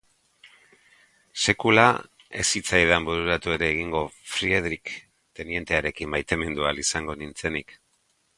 Sekula ez zitzaidan bururatu ere egingo Friedrich tenientearekin maitemindu ahal izango nintzenik.